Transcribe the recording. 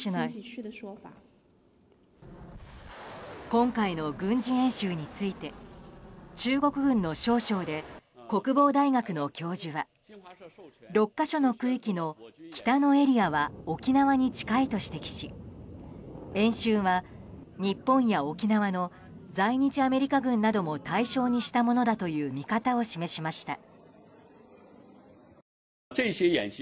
今回の軍事演習について中国軍の少将で国防大学の教授は６か所の区域の北のエリアは沖縄に近いと指摘し演習は日本や沖縄の在日アメリカ軍なども対象にしたものだという見方を示しました。